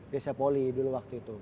desa poli dulu waktu itu